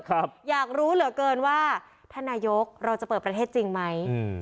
ครับอยากรู้เหลือเกินว่าท่านนายกเราจะเปิดประเทศจริงไหมอืม